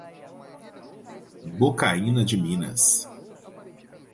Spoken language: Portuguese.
Bocaina de Minas